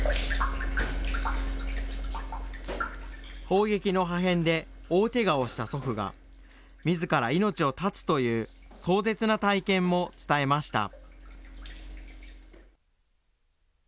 砲撃の破片で大けがをした祖父が、みずから命を絶つという、壮絶な体験も伝えました。